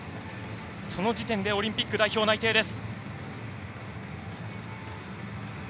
その時点でオリンピック代表内定です。